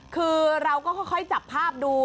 คือเราก็ค่อยจับภาพดู